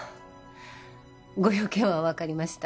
ご用件はわかりました。